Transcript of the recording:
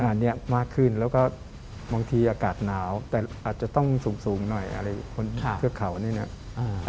อันนี้มากขึ้นแล้วก็บางทีอากาศหนาวแต่อาจจะต้องสูงหน่อยอะไรบนเทือกเขานี่นะ